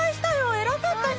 偉かったね